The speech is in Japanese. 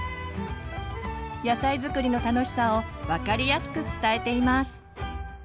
野菜づくりの楽しさを分かりやすく伝えています。